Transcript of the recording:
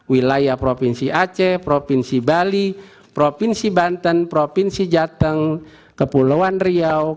wilayah provinsi aceh provinsi bali provinsi banten provinsi jateng kepulauan riau